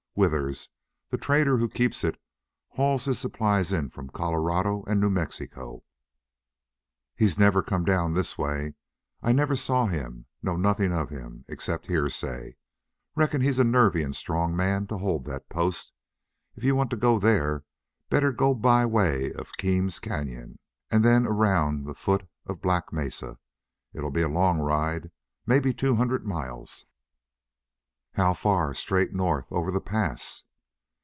Withers, the trader who keeps it, hauls his supplies in from Colorado and New Mexico. He's never come down this way. I never saw him. Know nothing of him except hearsay. Reckon he's a nervy and strong man to hold that post. If you want to go there, better go by way of Keams Cañon, and then around the foot of Black Mesa. It'll be a long ride maybe two hundred miles." "How far straight north over the pass?"